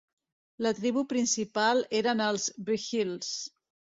La tribu principal eren els bhils.